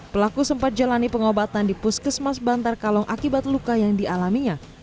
pelaku sempat jalani pengobatan di puskesmas bantar kalong akibat luka yang dialaminya